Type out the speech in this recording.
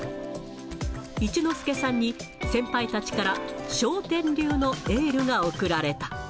一之輔さんに、先輩たちから笑点流のエールが送られた。